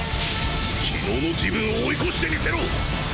昨日の自分を追い越してみせろ。